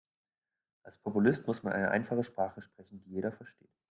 Als Populist muss man eine einfache Sprache sprechen, die jeder versteht.